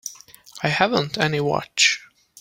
I haven't any watch.